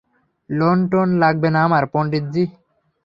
Loan টোন লাগবে না আমার, পন্ডিতজি।